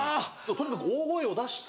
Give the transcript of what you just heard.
とにかく大声を出して。